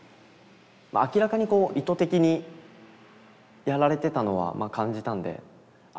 明らかにこう意図的にやられてたのはまあ感じたんであ